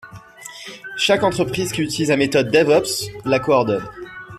Chaque entreprise qui utilise la méthode DevOps la coordonne.